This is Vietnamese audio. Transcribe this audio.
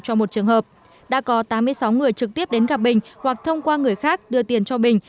cho một trường hợp đã có tám mươi sáu người trực tiếp đến gặp bình hoặc thông qua người khác đưa tiền cho bình